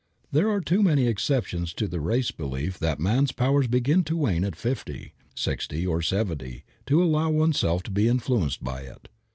There are too many exceptions to the race belief that man's powers begin to wane at fifty, sixty or seventy to allow oneself to be influenced by it.